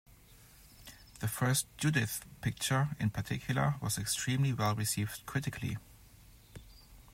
The first "Judith" picture in particular was extremely well received critically.